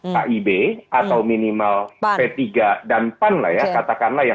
kib atau minimal p tiga dan pan lah ya katakanlah ya